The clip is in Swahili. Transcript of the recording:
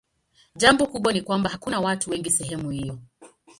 Jambo kubwa ni kwamba hakuna watu wengi sehemu hiyo.